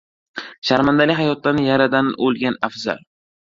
• Sharmandali hayotdan yaradan o‘lgan afzal.